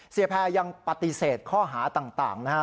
แพรยังปฏิเสธข้อหาต่างนะฮะ